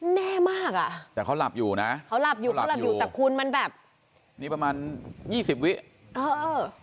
แน่มากอ่ะแต่เขาหลับอยู่นะเขาหลับอยู่เขาหลับอยู่แต่คุณมันแบบนี้ประมาณยี่สิบวิเออเออ